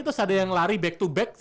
terus ada yang lari back to back